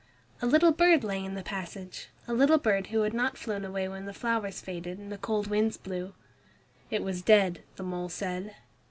A little bird lay in the passage, a little bird who had not flown away when the flowers faded and the cold winds blew. It was dead, the mole said.